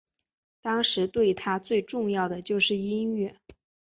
当时对他最重要的就是音乐。